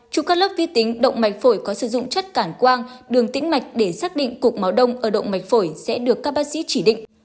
chụp các lớp vi tính động mạch phổi có sử dụng chất cản quang đường tĩnh mạch để xác định cục máu đông ở động mạch phổi sẽ được các bác sĩ chỉ định